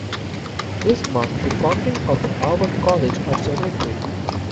This marked the founding of the Harvard College Observatory.